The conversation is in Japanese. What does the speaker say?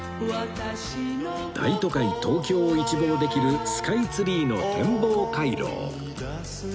大都会東京を一望できるスカイツリーの天望回廊